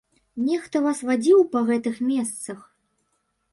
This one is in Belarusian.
Нехта вас вадзіў па гэтых месцах?